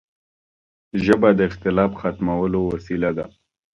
ژبه د اختلاف ختمولو وسیله ده